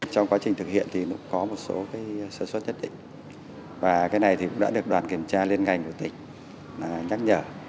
trong quá trình thực hiện thì có một số sản xuất nhất định và cái này cũng đã được đoàn kiểm tra lên ngành của tỉnh nhắc nhở